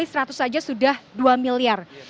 seratus saja sudah dua miliar